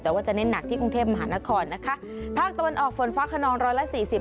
แต่ว่าจะเน้นหนักที่กรุงเทพมหานครนะคะภาคตะวันออกฝนฟ้าขนองร้อยละสี่สิบ